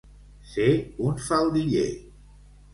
Ser un faldiller.